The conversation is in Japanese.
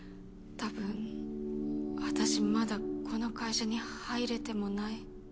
たぶん私まだこの会社に入れてもない。